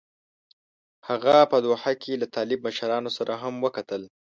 هغه په دوحه کې له طالب مشرانو سره هم وکتل.